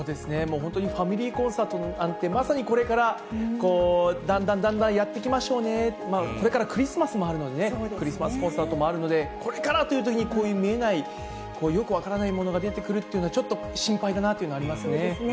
本当にファミリーコンサートなんて、まさにこれから、だんだんだんだん、やっていきましょうね、これからクリスマスもあるので、クリスマスコンサートもあるので、これからというときに、こういう見えないよく分からないものが出てくるっていうのは、ちょっと心配だなというのはありますよね。